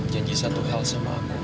janji satu hal sama aku